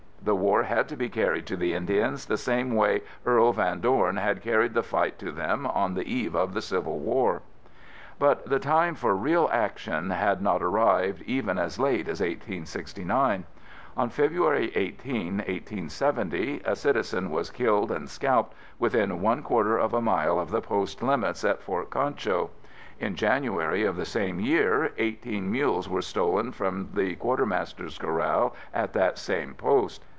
The war had to be carried to the Indians the same way Earl Van Dorn had carried the fight to them on the eve of the Civil War. But the time for real action had not arrived even as late as 1869. On February 18, 1870, a citizen was killed and scalped within one quarter of a mile of the post limits at Fort Concho. In January of the same year, eighteen mules were stolen from the Q.M. corral at that same post.